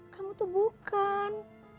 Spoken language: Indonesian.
kamu tuh bukan